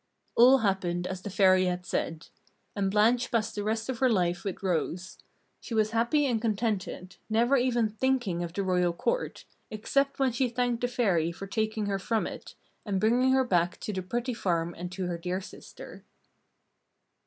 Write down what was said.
All happened as the Fairy had said. And Blanche passed the rest of her life with Rose. She was happy and contented, never even thinking of the royal Court, except when she thanked the Fairy for taking her from it, and bringing her back to the pretty farm and to her dear sister.